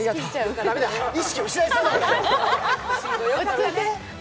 駄目だ、意識を失いそうだ。